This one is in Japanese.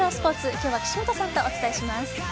今日は岸本さんとお伝えします。